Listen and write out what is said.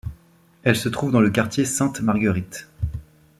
Elle se trouve dans le quartier Sainte-Marguerite.